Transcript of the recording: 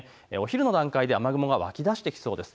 お昼の段階で雨雲が湧き出してきそうです。